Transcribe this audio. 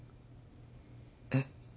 えっ？